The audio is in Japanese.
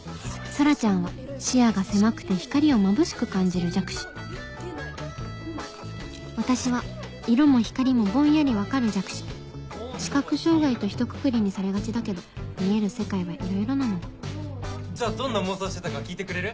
空ちゃんは視野が狭くて光をまぶしく感じる弱視私は色も光もぼんやり分かる弱視「視覚障がい」とひとくくりにされがちだけど見える世界はいろいろなのだじゃあどんな妄想してたか聞いてくれる？